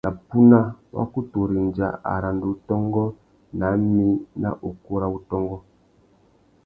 Na puna, wa kutu rendza aranda-utôngô ná mí nà ukú râ wutôngô.